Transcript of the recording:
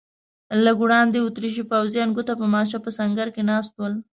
لږ وړاندې اتریشي پوځیان ګوته په ماشه په سنګر کې ناست ول.